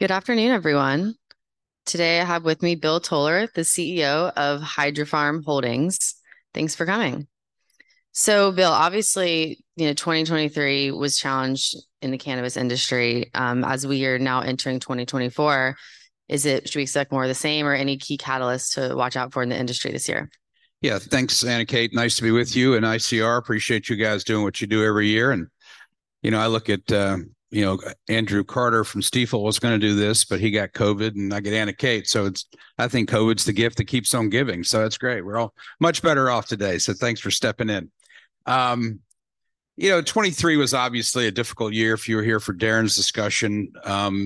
Good afternoon, everyone. Today, I have with me Bill Toler, the CEO of Hydrofarm Holdings. Thanks for coming. So Bill, obviously, you know, 2023 was challenged in the cannabis industry. As we are now entering 2024, should we expect more of the same, or any key catalysts to watch out for in the industry this year? Yeah, thanks, Anna Kate. Nice to be with you and ICR. Appreciate you guys doing what you do every year, and, you know, I look at, you know, Andrew Carter from Stifel was gonna do this, but he got COVID, and I get Anna Kate, so it's. I think COVID's the gift that keeps on giving, so that's great. We're all much better off today, so thanks for stepping in. You know, 2023 was obviously a difficult year. If you were here for Darren's discussion,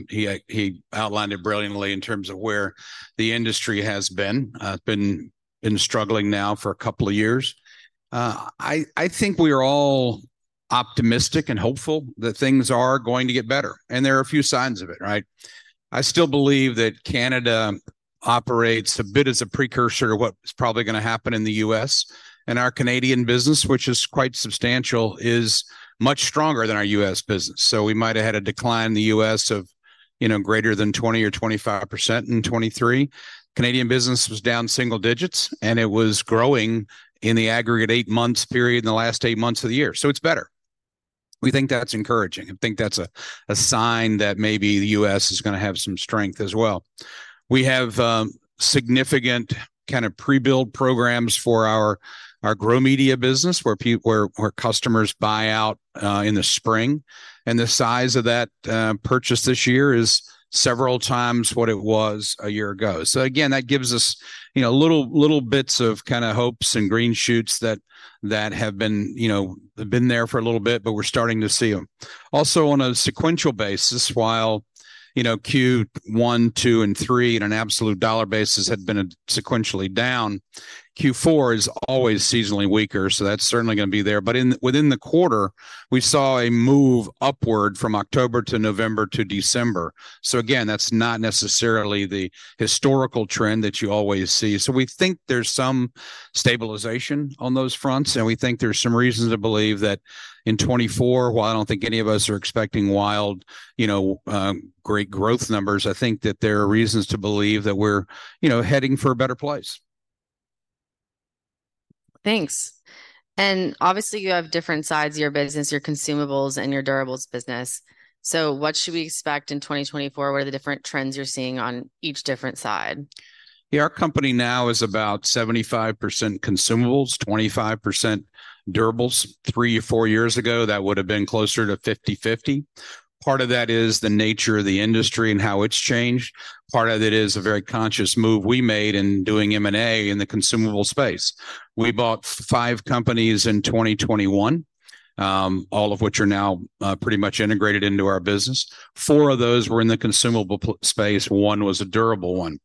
he outlined it brilliantly in terms of where the industry has been. Been struggling now for a couple of years. I think we are all optimistic and hopeful that things are going to get better, and there are a few signs of it, right? I still believe that Canada operates a bit as a precursor to what is probably gonna happen in the U.S., and our Canadian business, which is quite substantial, is much stronger than our US business. So we might have had a decline in the U.S. of, you know, greater than 20% or 25% in 2023. Canadian business was down single digits, and it was growing in the aggregate eight-month period in the last eight months of the year, so it's better. We think that's encouraging, and think that's a sign that maybe the U.S. is gonna have some strength as well. We have significant kind of pre-build programs for our grow media business, where customers buy out in the spring, and the size of that purchase this year is several times what it was a year ago. So again, that gives us, you know, little, little bits of kind of hopes and green shoots that, that have been, you know, been there for a little bit, but we're starting to see them. Also, on a sequential basis, while, you know, Q1, Q2, and Q3, in an absolute dollar basis had been sequentially down, Q4 is always seasonally weaker, so that's certainly gonna be there. But within the quarter, we saw a move upward from October to November to December. So again, that's not necessarily the historical trend that you always see. So we think there's some stabilization on those fronts, and we think there's some reasons to believe that in 2024, while I don't think any of us are expecting wild, you know, great growth numbers, I think that there are reasons to believe that we're, you know, heading for a better place. Thanks. And obviously, you have different sides of your business, your consumables and your durables business. So what should we expect in 2024? What are the different trends you're seeing on each different side? Yeah, our company now is about 75% consumables, 25% durables. 3-4 years ago, that would've been closer to 50/50. Part of that is the nature of the industry and how it's changed. Part of it is a very conscious move we made in doing M&A in the consumable space. We bought five companies in 2021, all of which are now pretty much integrated into our business. Four of those were in the consumable space, one was a durable one.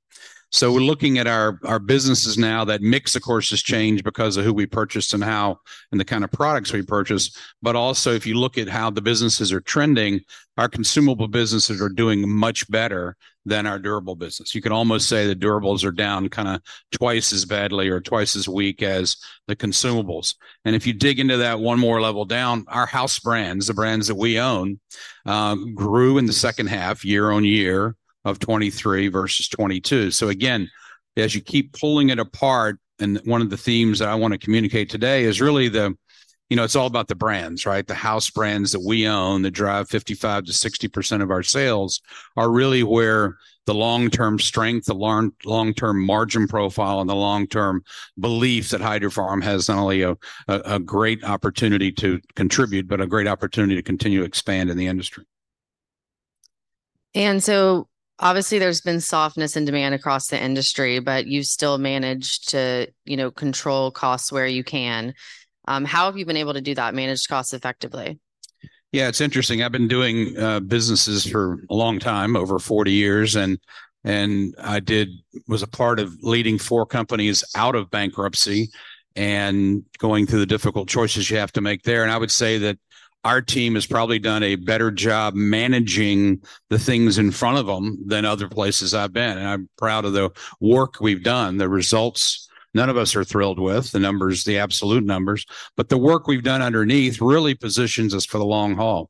So we're looking at our businesses now. That mix, of course, has changed because of who we purchased and how, and the kind of products we purchased. But also, if you look at how the businesses are trending, our consumable businesses are doing much better than our durable business. You could almost say the Durables are down kind of twice as badly or twice as weak as the consumables. And if you dig into that one more level down, our house brands, the brands that we own, grew in the second half, year-on-year, of 2023 versus 2022. So again, as you keep pulling it apart, and one of the themes that I want to communicate today is really the... You know, it's all about the brands, right? The house brands that we own, that drive 55%-60% of our sales, are really where the long-term strength, the long, long-term margin profile, and the long-term belief that Hydrofarm has not only a great opportunity to contribute, but a great opportunity to continue to expand in the industry. Obviously, there's been softness in demand across the industry, but you've still managed to, you know, control costs where you can. How have you been able to do that, manage costs effectively? Yeah, it's interesting. I've been doing businesses for a long time, over 40 years, and I was a part of leading four companies out of bankruptcy and going through the difficult choices you have to make there. And I would say that our team has probably done a better job managing the things in front of them than other places I've been, and I'm proud of the work we've done. The results, none of us are thrilled with, the numbers, the absolute numbers, but the work we've done underneath really positions us for the long haul.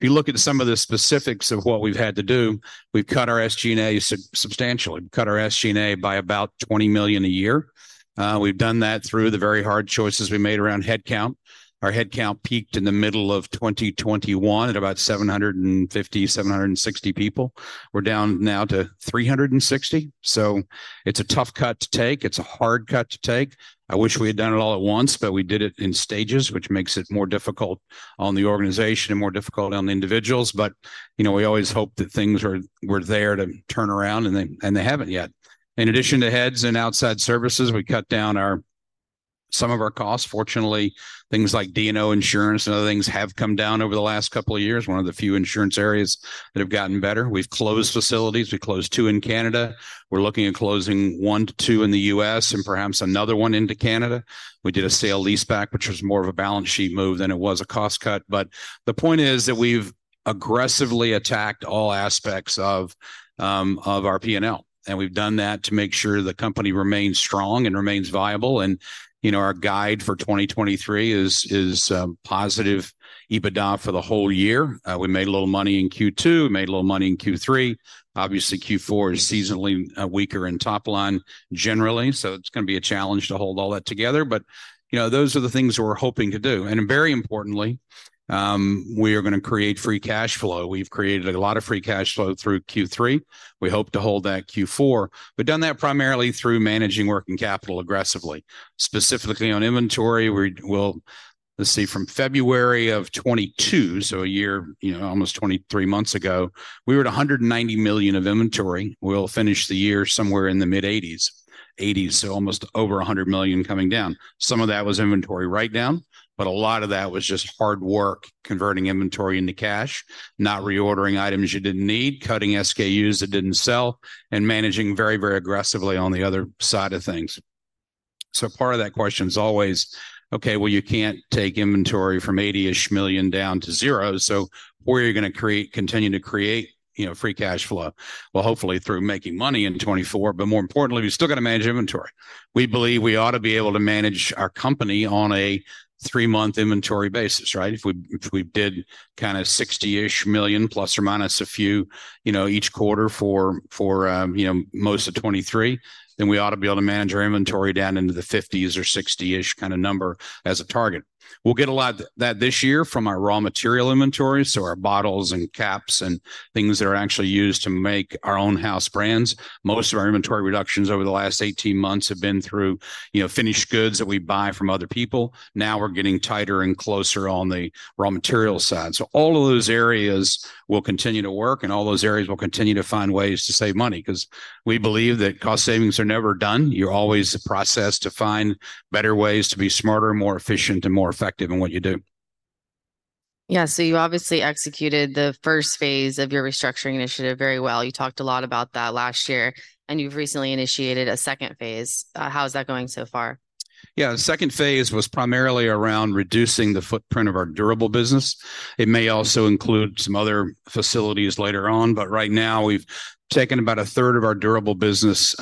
If you look at some of the specifics of what we've had to do, we've cut our SG&A substantially. We've cut our SG&A by about $20 million a year. We've done that through the very hard choices we made around headcount. Our headcount peaked in the middle of 2021 at about 750, 760 people. We're down now to 360, so it's a tough cut to take. It's a hard cut to take. I wish we had done it all at once, but we did it in stages, which makes it more difficult on the organization and more difficult on the individuals. But, you know, we always hope that things are, were there to turn around, and they haven't yet. In addition to heads and outside services, we cut down our some of our costs. Fortunately, things like D&O insurance and other things have come down over the last couple of years, one of the few insurance areas that have gotten better. We've closed facilities. We closed two in Canada. We're looking at closing 1-2 in the U.S. and perhaps another one into Canada. We did a sale-leaseback, which was more of a balance sheet move than it was a cost cut. But the point is that we've aggressively attacked all aspects of our P&L, and we've done that to make sure the company remains strong and remains viable. And, you know, our guide for 2023 is positive EBITDA for the whole year. We made a little money in Q2, made a little money in Q3. Obviously, Q4 is seasonally weaker in top line generally, so it's gonna be a challenge to hold all that together. But, you know, those are the things we're hoping to do. And very importantly, we are gonna create free cash flow. We've created a lot of free cash flow through Q3. We hope to hold that Q4, we've done that primarily through managing working capital aggressively. Specifically on inventory, from February of 2022, so a year, you know, almost 23 months ago, we were at $190 million of inventory. We'll finish the year somewhere in the mid-80s. 80s, so almost over $100 million coming down. Some of that was inventory write-down, but a lot of that was just hard work, converting inventory into cash, not reordering items you didn't need, cutting SKUs that didn't sell, and managing very, very aggressively on the other side of things. So part of that question is always, okay, well, you can't take inventory from $80-ish million down to zero, so where are you going to continue to create, you know, free cash flow? Well, hopefully through making money in 2024, but more importantly, we've still got to manage inventory. We believe we ought to be able to manage our company on a three-month inventory basis, right? If we, if we did kind of $60-ish million + or - a few, you know, each quarter for, for, you know, most of 2023, then we ought to be able to manage our inventory down into the 50s or 60-ish kind of number as a target. We'll get a lot that this year from our raw material inventory, so our bottles and caps and things that are actually used to make our own house brands. Most of our inventory reductions over the last 18 months have been through, you know, finished goods that we buy from other people. Now, we're getting tighter and closer on the raw material side. All of those areas will continue to work, and all those areas will continue to find ways to save money, 'cause we believe that cost savings are never done. You're always in the process to find better ways to be smarter and more efficient and more effective in what you do. Yeah. So you obviously executed the first phase of your restructuring initiative very well. You talked a lot about that last year, and you've recently initiated a second phase. How is that going so far? Yeah, the second phase was primarily around reducing the footprint of our durables business. It may also include some other facilities later on, but right now, we've taken about a third of our durables business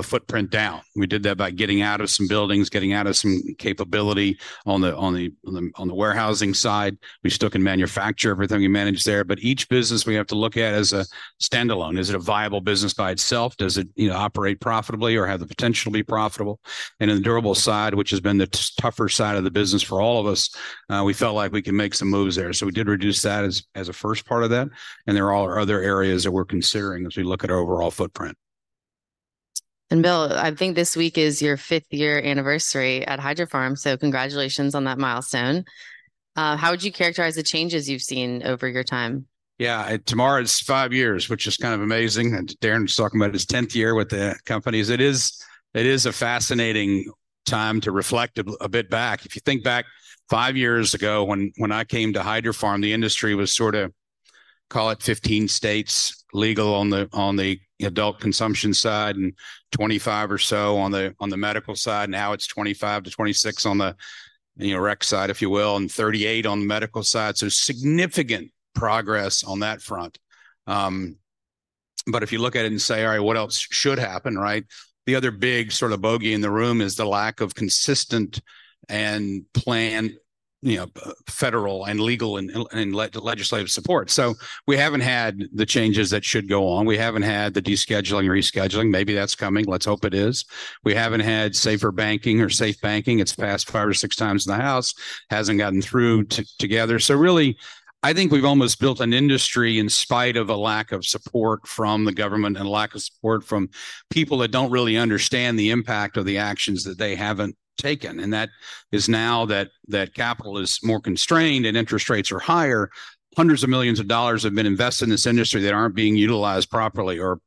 footprint down. We did that by getting out of some buildings, getting out of some capability on the warehousing side. We still can manufacture everything we manage there, but each business we have to look at as a standalone. Is it a viable business by itself? Does it, you know, operate profitably or have the potential to be profitable? And in the durables side, which has been the tougher side of the business for all of us, we felt like we could make some moves there. So we did reduce that as a first part of that, and there are all other areas that we're considering as we look at overall footprint. Bill, I think this week is your fifth-year anniversary at Hydrofarm, so congratulations on that milestone. How would you characterize the changes you've seen over your time? Yeah, tomorrow is five years, which is kind of amazing, and Darren's talking about his 10th year with the company. It is, it is a fascinating time to reflect a bit back. If you think back five years ago when I came to Hydrofarm, the industry was sort of, call it 15 states legal on the, on the adult consumption side and 25 or so on the, on the medical side. Now, it's 25 to 26 on the, you know, rec side, if you will, and 38 on the medical side. So significant progress on that front. But if you look at it and say, "All right, what else should happen, right?" The other big sort of bogey in the room is the lack of consistent and planned, you know, federal and legal and legislative support. So we haven't had the changes that should go on. We haven't had the descheduling or rescheduling. Maybe that's coming. Let's hope it is. We haven't had SAFER Banking or SAFE Banking. It's passed five or six times in the House, hasn't gotten through the Senate. So really, I think we've almost built an industry in spite of a lack of support from the government and a lack of support from people that don't really understand the impact of the actions that they haven't taken, and that is, now that capital is more constrained and interest rates are higher. Hundreds of millions of dollars have been invested in this industry that aren't being utilized properly, or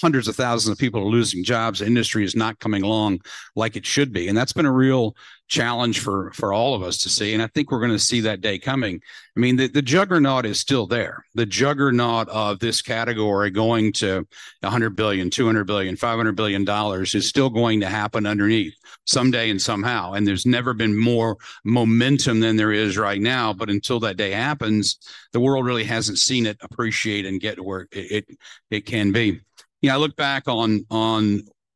hundreds of thousands of people are losing jobs. The industry is not coming along like it should be, and that's been a real challenge for, for all of us to see, and I think we're going to see that day coming. I mean, the juggernaut is still there. The juggernaut of this category going to $100 billion, $200 billion, $500 billion is still going to happen underneath someday and somehow, and there's never been more momentum than there is right now. But until that day happens, the world really hasn't seen it appreciate and get to where it can be. Yeah, I look back on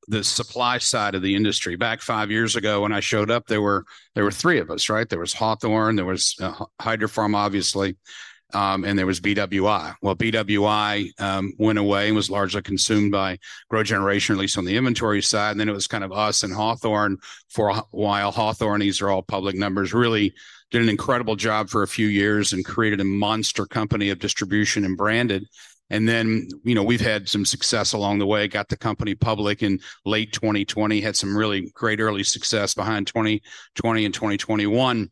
the supply side of the industry. Back five years ago, when I showed up, there were three of us, right? There was Hawthorne, there was Hydrofarm, obviously, and there was BWI. Well, BWI went away and was largely consumed by GrowGeneration, at least on the inventory side, and then it was kind of us and Hawthorne for a while. Hawthorne, these are all public numbers, really did an incredible job for a few years and created a monster company of distribution and branded, and then, you know, we've had some success along the way. Got the company public in late 2020, had some really great early success behind 2020 and 2021,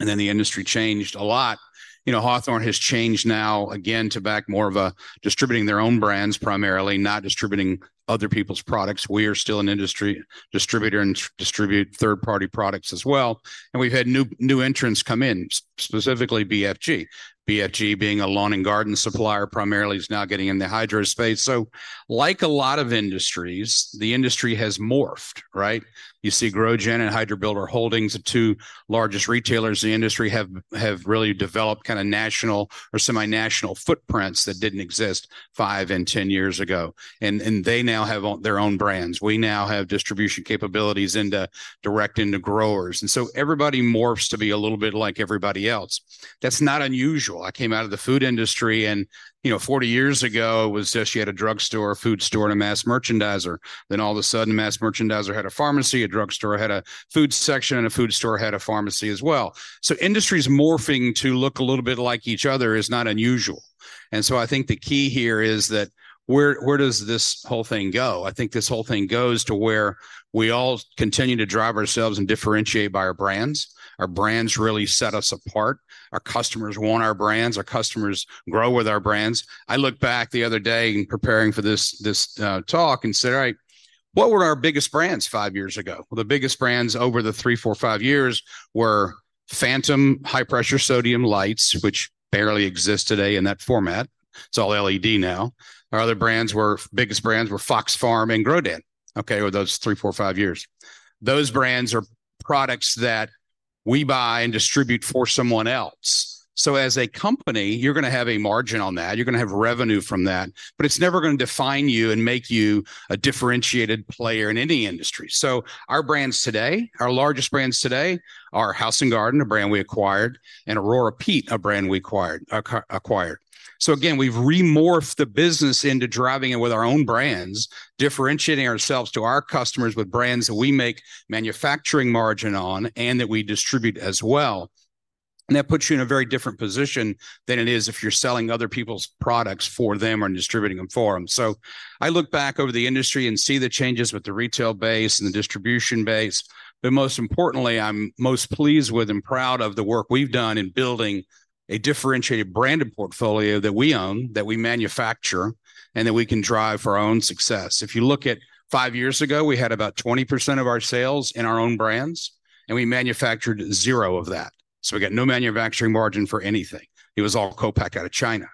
and then the industry changed a lot. You know, Hawthorne has changed now again to back more of a distributing their own brands, primarily, not distributing other people's products. We are still an industry distributor and distribute third-party products as well, and we've had new entrants come in, specifically BFG. BFG, being a lawn and garden supplier primarily, is now getting in the hydrospace. So like a lot of industries, the industry has morphed, right? You see, GrowGen and Hydrobuilder Holdings, the two largest retailers in the industry, have really developed kind of national or semi-national footprints that didn't exist five and 10 years ago, and they now have their own brands. We now have distribution capabilities directly into growers, and so everybody morphs to be a little bit like everybody else. That's not unusual. I came out of the food industry, and, you know, 40 years ago, it was just you had a drugstore, a food store, and a mass merchandiser. Then all of a sudden, mass merchandiser had a pharmacy, a drugstore had a food section, and a food store had a pharmacy as well. So industries morphing to look a little bit like each other is not unusual. And so I think the key here is that where does this whole thing go? I think this whole thing goes to where we all continue to drive ourselves and differentiate by our brands. Our brands really set us apart. Our customers want our brands. Our customers grow with our brands. I looked back the other day in preparing for this talk and said, "All right. What were our biggest brands five years ago? Well, the biggest brands over the three, four, five years were Phantom high-pressure sodium lights, which barely exist today in that format. It's all LED now. Our other biggest brands were FoxFarm and Grodan, okay, over those three, four, five years. Those brands are products that we buy and distribute for someone else. So as a company, you're gonna have a margin on that, you're gonna have revenue from that, but it's never gonna define you and make you a differentiated player in any industry. So our brands today, our largest brands today, are House & Garden, a brand we acquired, and Aurora Peat, a brand we acquired, acquired. So again, we've remorphed the business into driving it with our own brands, differentiating ourselves to our customers with brands that we make manufacturing margin on and that we distribute as well. That puts you in a very different position than it is if you're selling other people's products for them or distributing them for them. So I look back over the industry and see the changes with the retail base and the distribution base, but most importantly, I'm most pleased with and proud of the work we've done in building a differentiated branded portfolio that we own, that we manufacture, and that we can drive for our own success. If you look at five years ago, we had about 20% of our sales in our own brands, and we manufactured zero of that. So we got no manufacturing margin for anything. It was all co-pack out of China.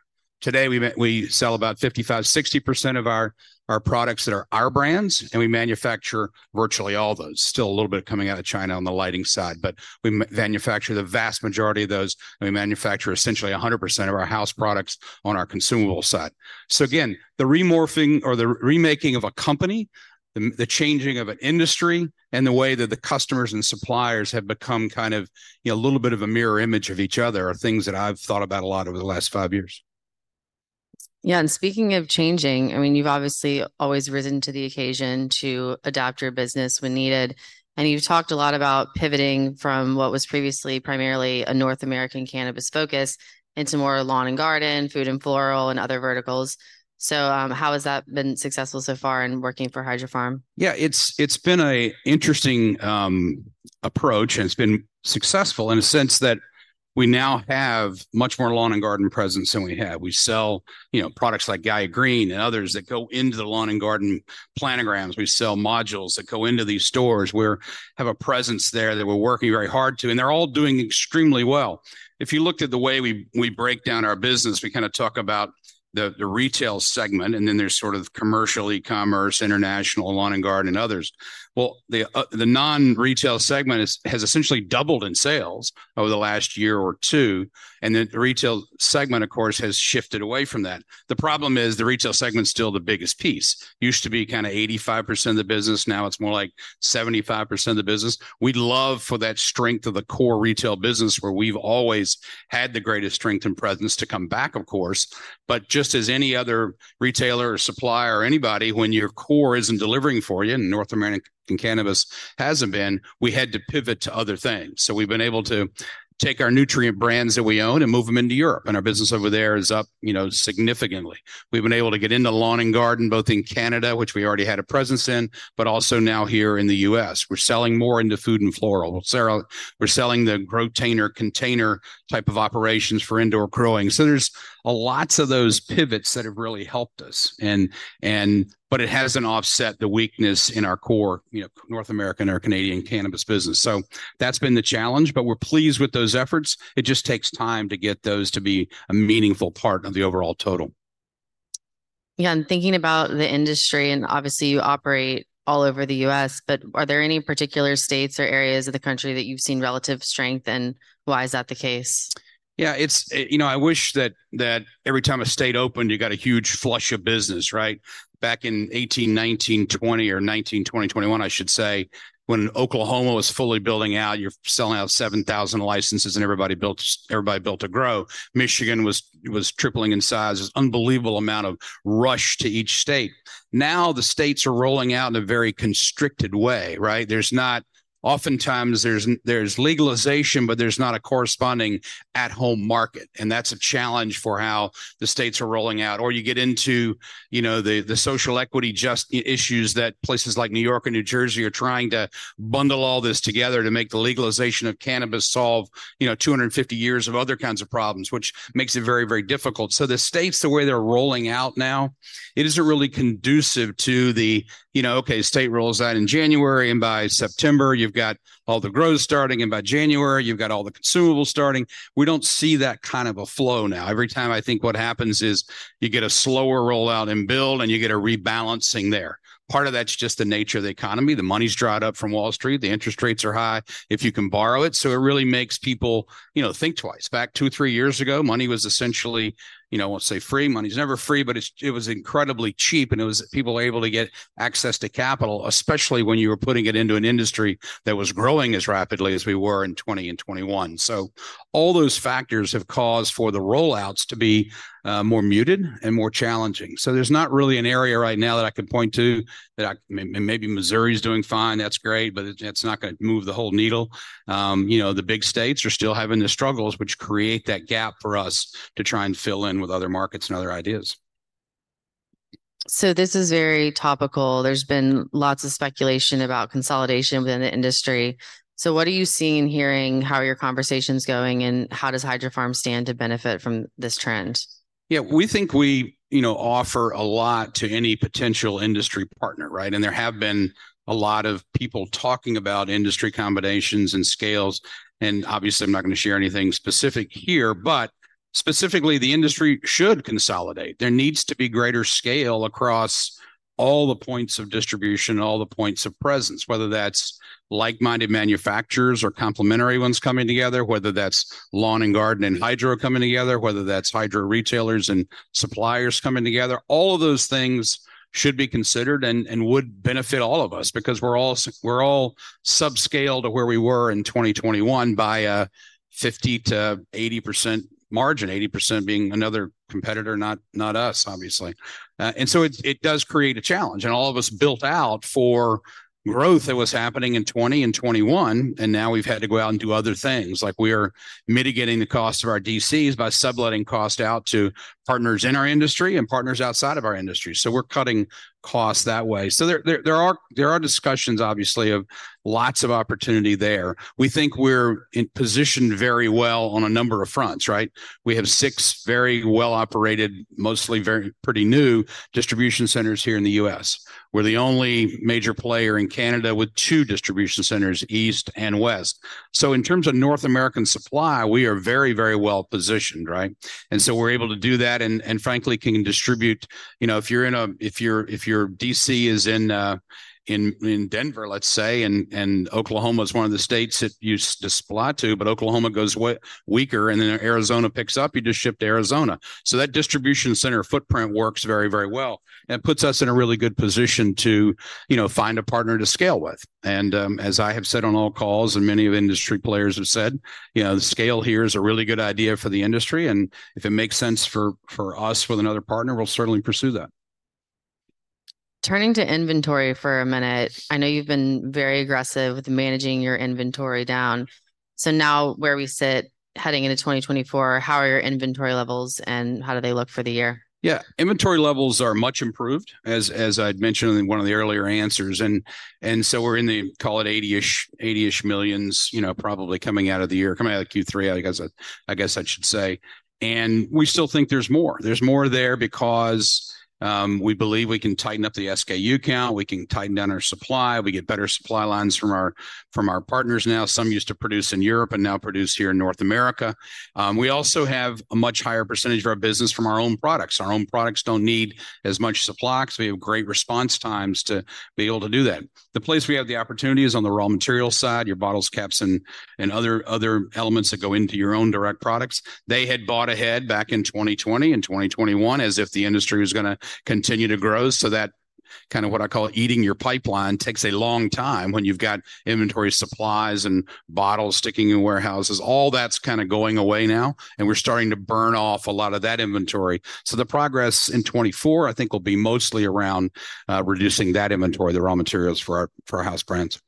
Today, we sell about 55%-60% of our products that are our brands, and we manufacture virtually all those. Still a little bit coming out of China on the lighting side, but we manufacture the vast majority of those, and we manufacture essentially 100% of our house products on our consumable side. So again, the remorphing or the remaking of a company, the changing of an industry, and the way that the customers and suppliers have become kind of, you know, a little bit of a mirror image of each other, are things that I've thought about a lot over the last five years. Yeah, and speaking of changing, I mean, you've obviously always risen to the occasion to adapt your business when needed, and you've talked a lot about pivoting from what was previously primarily a North American cannabis focus into more lawn and garden, food and floral, and other verticals. So, how has that been successful so far in working for Hydrofarm? Yeah, it's been an interesting approach, and it's been successful in a sense that we now have much more lawn and garden presence than we had. We sell, you know, products like Gaia Green and others that go into the lawn and garden planograms. We sell modules that go into these stores. We have a presence there that we're working very hard to, and they're all doing extremely well. If you looked at the way we break down our business, we kind of talk about the retail segment, and then there's sort of commercial, e-commerce, international, lawn and garden, and others. Well, the non-retail segment has essentially doubled in sales over the last year or two, and then the retail segment, of course, has shifted away from that. The problem is, the retail segment's still the biggest piece. Used to be kind of 85% of the business, now it's more like 75% of the business. We'd love for that strength of the core retail business, where we've always had the greatest strength and presence, to come back, of course. But just as any other retailer or supplier or anybody, when your core isn't delivering for you, and North American cannabis hasn't been, we had to pivot to other things. So we've been able to take our nutrient brands that we own and move them into Europe, and our business over there is up, you know, significantly. We've been able to get into lawn and garden, both in Canada, which we already had a presence in, but also now here in the U.S. We're selling more into food and floral. So we're selling the Grodan container type of operations for indoor growing. So there's a lot of those pivots that have really helped us, and... But it hasn't offset the weakness in our core, you know, North American or Canadian cannabis business. So that's been the challenge, but we're pleased with those efforts. It just takes time to get those to be a meaningful part of the overall total. Yeah, and thinking about the industry, and obviously, you operate all over the U.S., but are there any particular states or areas of the country that you've seen relative strength, and why is that the case? Yeah, it's... You know, I wish that every time a state opened, you got a huge flush of business, right? Back in 2018, 2019, 2020, or 2019, 2020, 2021, I should say, when Oklahoma was fully building out, you're selling out 7,000 licenses, and everybody built, everybody built to grow. Michigan was tripling in size. This unbelievable amount of rush to each state. Now, the states are rolling out in a very constricted way, right? There's not. Oftentimes there's legalization, but there's not a corresponding at-home market, and that's a challenge for how the states are rolling out. Or you get into, you know, the social equity issues that places like New York and New Jersey are trying to bundle all this together to make the legalization of cannabis solve, you know, 250 years of other kinds of problems, which makes it very, very difficult. So the states, the way they're rolling out now, it isn't really conducive to the, you know, okay, state rolls out in January, and by September, you've got all the grows starting, and by January, you've got all the consumables starting. We don't see that kind of a flow now. Every time I think what happens is you get a slower rollout and build, and you get a rebalancing there. Part of that's just the nature of the economy. The money's dried up from Wall Street. The interest rates are high if you can borrow it. So it really makes people, you know, think twice. Back two, three years ago, money was essentially, you know, I won't say free, money's never free, but it's- it was incredibly cheap, and it was... People were able to get access to capital, especially when you were putting it into an industry that was growing as rapidly as we were in 2020 and 2021. So all those factors have caused for the rollouts to be more muted and more challenging. So there's not really an area right now that I can point to that I... Maybe Missouri's doing fine, that's great, but it's- that's not gonna move the whole needle. You know, the big states are still having the struggles, which create that gap for us to try and fill in with other markets and other ideas. So this is very topical. There's been lots of speculation about consolidation within the industry. So what are you seeing, hearing? How are your conversations going, and how does Hydrofarm stand to benefit from this trend?... Yeah, we think we, you know, offer a lot to any potential industry partner, right? And there have been a lot of people talking about industry combinations and scales, and obviously I'm not gonna share anything specific here, but specifically, the industry should consolidate. There needs to be greater scale across all the points of distribution, all the points of presence, whether that's like-minded manufacturers or complementary ones coming together, whether that's lawn and garden and hydro coming together, whether that's hydro retailers and suppliers coming together. All of those things should be considered and would benefit all of us because we're all subscale to where we were in 2021 by a 50%-80% margin, 80% being another competitor, not us, obviously. And so it does create a challenge, and all of us built out for growth that was happening in 2020 and 2021, and now we've had to go out and do other things, like we're mitigating the cost of our DCs by subletting cost out to partners in our industry and partners outside of our industry, so we're cutting costs that way. So there are discussions, obviously, of lots of opportunity there. We think we're in position very well on a number of fronts, right? We have six very well-operated, mostly very pretty new distribution centers here in the U.S. We're the only major player in Canada with two distribution centers, east and west. So in terms of North American supply, we are very, very well positioned, right? And so we're able to do that and frankly can distribute... You know, if your DC is in Denver, let's say, and Oklahoma is one of the states that you supply to, but Oklahoma goes way weaker, and then Arizona picks up, you just ship to Arizona. So that distribution center footprint works very, very well and puts us in a really good position to, you know, find a partner to scale with. And, as I have said on all calls, and many of industry players have said, you know, the scale here is a really good idea for the industry, and if it makes sense for us with another partner, we'll certainly pursue that. Turning to inventory for a minute, I know you've been very aggressive with managing your inventory down. So now, where we sit, heading into 2024, how are your inventory levels, and how do they look for the year? Yeah. Inventory levels are much improved, as I'd mentioned in one of the earlier answers, and so we're in the, call it $80-ish million, you know, probably coming out of the year, coming out of Q3, I guess I should say. And we still think there's more. There's more there because we believe we can tighten up the SKU count, we can tighten down our supply, we get better supply lines from our partners now. Some used to produce in Europe and now produce here in North America. We also have a much higher percentage of our business from our own products. Our own products don't need as much supply, so we have great response times to be able to do that. The place we have the opportunity is on the raw material side, your bottles, caps, and, and other, other elements that go into your own direct products. They had bought ahead back in 2020 and 2021, as if the industry was gonna continue to grow, so that kind of what I call eating your pipeline, takes a long time when you've got inventory supplies and bottles sticking in warehouses. All that's kind of going away now, and we're starting to burn off a lot of that inventory. So the progress in 2024, I think, will be mostly around reducing that inventory, the raw materials for our, for our house brands.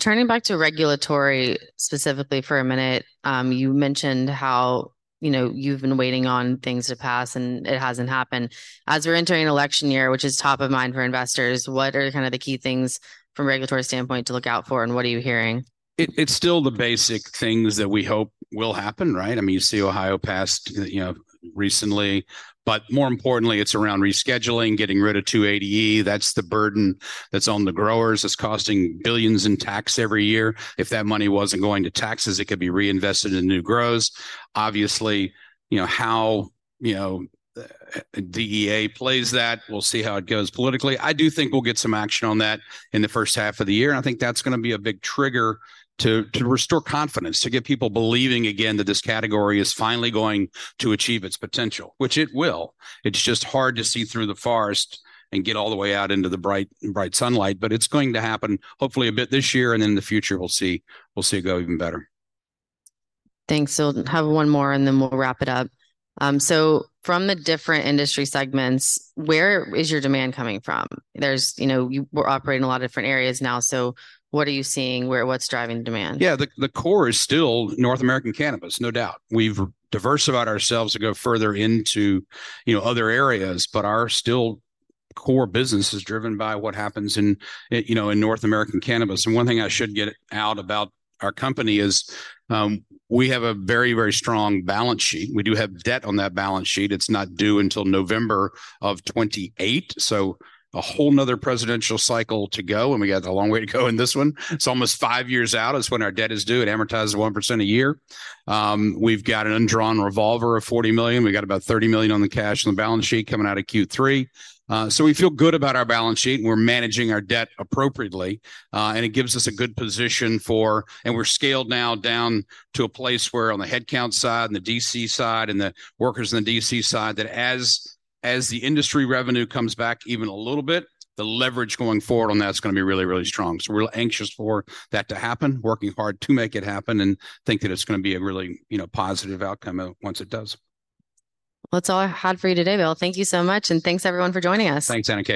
Turning back to regulatory specifically for a minute, you mentioned how, you know, you've been waiting on things to pass, and it hasn't happened. As we're entering election year, which is top of mind for investors, what are kind of the key things from a regulatory standpoint to look out for, and what are you hearing? It's still the basic things that we hope will happen, right? I mean, you see Ohio passed, you know, recently, but more importantly, it's around rescheduling, getting rid of 280E. That's the burden that's on the growers, that's costing billions in tax every year. If that money wasn't going to taxes, it could be reinvested in new grows. Obviously, you know, how, you know, DEA plays that, we'll see how it goes politically. I do think we'll get some action on that in the first half of the year, and I think that's gonna be a big trigger to restore confidence, to get people believing again that this category is finally going to achieve its potential, which it will. It's just hard to see through the forest and get all the way out into the bright, bright sunlight, but it's going to happen hopefully a bit this year, and in the future, we'll see, we'll see it go even better. Thanks. So I'll have one more, and then we'll wrap it up. So from the different industry segments, where is your demand coming from? There's, you know, we're operating in a lot of different areas now, so what are you seeing? What's driving demand? Yeah, the core is still North American cannabis, no doubt. We've diversified ourselves to go further into, you know, other areas, but our still core business is driven by what happens in, you know, in North American cannabis. One thing I should get out about our company is, we have a very, very strong balance sheet. We do have debt on that balance sheet. It's not due until November of 2028, so a whole another presidential cycle to go, and we got a long way to go in this one. It's almost five years out. That's when our debt is due. It amortizes 1% a year. We've got an undrawn revolver of $40 million. We've got about $30 million in cash on the balance sheet coming out of Q3. So we feel good about our balance sheet, and we're managing our debt appropriately. And it gives us a good position for... And we're scaled now down to a place where, on the headcount side and the DC side and the workers in the DC side, that as the industry revenue comes back even a little bit, the leverage going forward on that's gonna be really, really strong. So we're anxious for that to happen, working hard to make it happen, and think that it's gonna be a really, you know, positive outcome, once it does. Well, that's all I had for you today, Bill. Thank you so much, and thanks, everyone, for joining us. Thanks, Anna Kate.